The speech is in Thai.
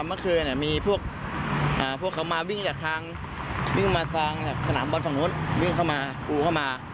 เมื่อคืนมีพวกเขามาวิ่งจากทางวิ่งมาทางสนามบอลฝั่งนู้นวิ่งเข้ามากูเข้ามา